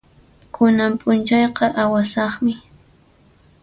Kunan p'unchayqa awasaqmi.